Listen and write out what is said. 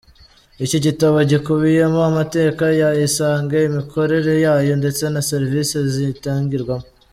Iki gitabo gikubiyemo amateka ya Isange, imikorere yayo, ndetse na serivisi ziyitangirwamo.